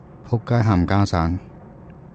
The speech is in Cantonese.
僕街冚家鏟